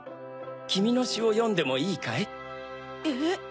きみのしをよんでもいいかい？えっ？